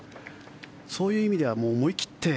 そういう意味では思い切って。